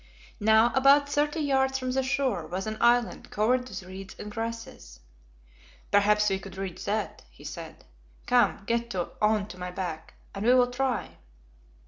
Now, about thirty yards from the shore was an island covered with reeds and grasses. "Perhaps we could reach that," he said. "Come, get on to my back, and we will try."